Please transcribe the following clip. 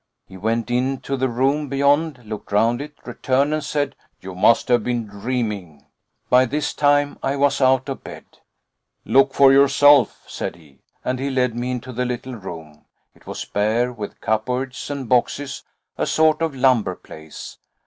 He went into the room beyond, looked round it, returned, and said: "You must have been dreaming." By this time I was out of bed. "Look for yourself," said he, and he led me into the little room. It was bare, with cupboards and boxes, a sort of lumber place.